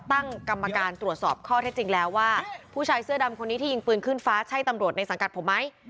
ตั้งกรรมการตรวจสอบข้อเท็จจริงแล้วว่าผู้ชายเสื้อดำคนนี้ที่ยิงปืนขึ้นฟ้าใช่ตำรวจในสังกัดผมไหม